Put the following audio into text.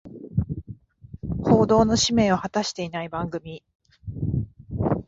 報道の使命を果たしてない番組